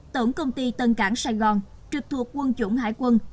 tổng công ty tân cảng sài gòn trực thuộc quân chủng hải quân